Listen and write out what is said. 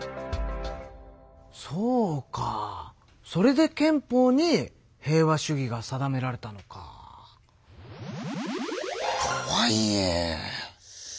そうかそれで憲法に平和主義が定められたのか。とはいえ。